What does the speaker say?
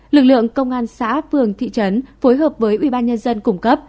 lực lượng công an xã phường thị trấn phối hợp với ubnd cung cấp